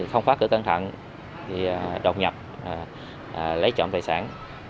không phát cửa cân thận đột nhập lấy trộm tài sản